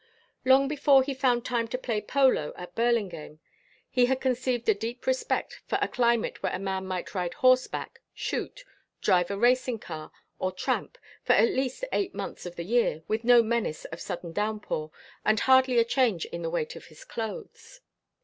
Long before he found time to play polo at Burlingame he had conceived a deep respect for a climate where a man might ride horseback, shoot, drive a racing car, or tramp, for at least eight months of the year with no menace of sudden downpour, and hardly a change in the weight of his clothes.